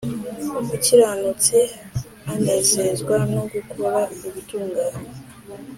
Umukiranutsi anezezwa no gukora ibitunganye.